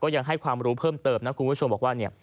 ก็ยังให้ความรู้เพิ่มเติบนะครับคุณผู้ชมบอกว่า